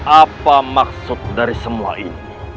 apa maksud dari semua ini